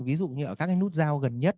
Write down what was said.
ví dụ như ở các cái nút giao gần nhất